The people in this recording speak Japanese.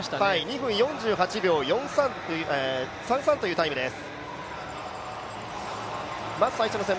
２分４８秒３３というタイムです。